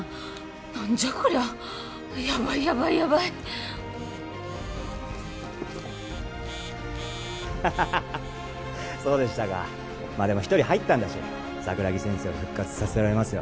何じゃこりゃヤバいヤバいヤバいハハハハそうでしたかでも一人入ったんだし桜木先生を復活させられますよ